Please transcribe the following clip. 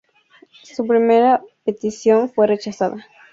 Su primera petición fue rechazada.